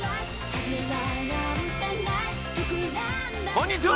こんにちは。